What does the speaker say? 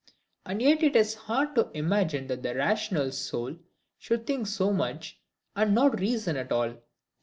And yet it is hard to imagine that the rational soul should think so much, and not reason at all.